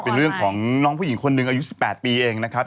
เป็นเรื่องของน้องผู้หญิงคนนึงอายุสิบแปดปีเองนะครับ